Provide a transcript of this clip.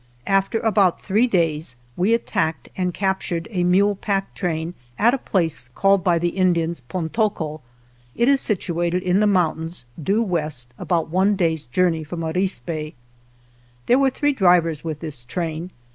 After about three days we attacked and captured a mule pack train at a place called by the Indians " Pontoco." It is situated in the mountains due west, about one day's journey ' from Arispe. There were three drivers with this train.